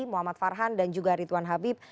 muhammad farhan dan juga ridwan habib